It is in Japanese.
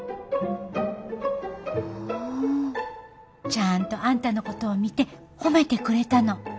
ちゃんとあんたのことを見て褒めてくれたの。